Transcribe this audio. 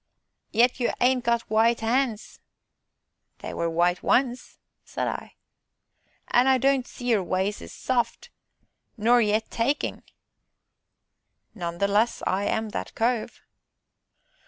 "Yet you ain't got w'ite 'ands." "They were white once," said I. "An' I don't see as your ways is soft nor yet takin'!" "None the less, I am that cove!"